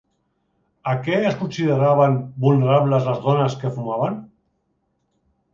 A què es consideraven vulnerables les dones que fumaven?